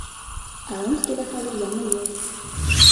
Ә Омскиҙа хәҙер Яңы йыл!